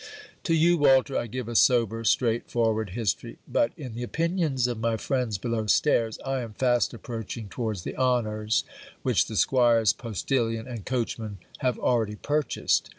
To you, Walter, I give a sober straight forward history; but, in the opinions of my friends below stairs, I am fast approaching towards the honours which the squire's postilion and coachman have already purchased.